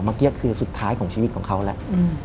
เมื่อกี้คือสุดท้ายของชีวิตของเขาแหละ